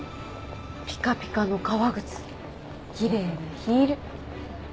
ピカピカの革靴キレイなヒール。